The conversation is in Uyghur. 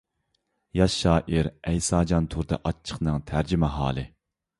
ياش شائىر ئەيساجان تۇردى ئاچچىقنىڭ تەرجىمىھالى.